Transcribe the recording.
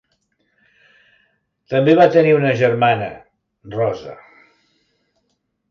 També va tenir una germana, Rosa.